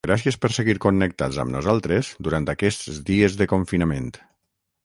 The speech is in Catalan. Gràcies per seguir connectats amb nosaltres durant aquests dies de confinament.